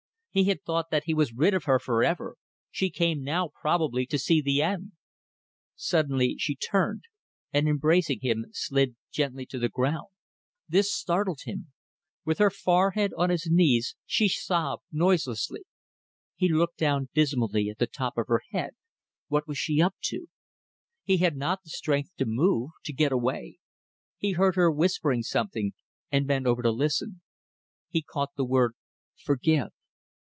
He had thought that he was rid of her for ever. She came now probably to see the end. ... Suddenly she turned, and embracing him slid gently to the ground. This startled him. With her forehead on his knees she sobbed noiselessly. He looked down dismally at the top of her head. What was she up to? He had not the strength to move to get away. He heard her whispering something, and bent over to listen. He caught the word "Forgive."